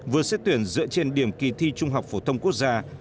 vừa xét tuyển dựa trên điểm kỳ thi trung học phổ thông quốc gia